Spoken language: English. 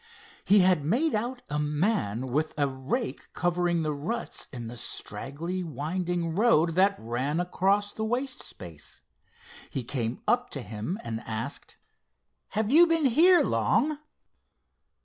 He had made out a man with a rake covering the ruts in the straggly winding road that ran across the waste space. He came up with him and asked: "Have you been here long?"